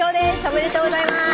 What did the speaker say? おめでとうございます。